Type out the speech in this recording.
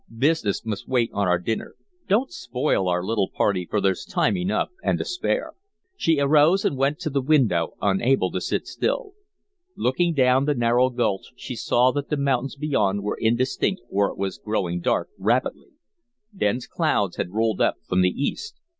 Business must wait on our dinner. Don't spoil our little party, for there's time enough and to spare." She arose and went to the window, unable to sit still. Looking down the narrow gulch she saw that the mountains beyond were indistinct for it was growing dark rapidly. Dense clouds had rolled up from the east.